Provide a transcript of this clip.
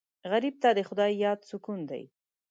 غریب ته د خدای یاد سکون دی